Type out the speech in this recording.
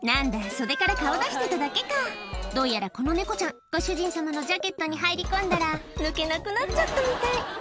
袖から顔出してただけかどうやらこの猫ちゃんご主人様のジャケットに入り込んだら抜けなくなっちゃったみたい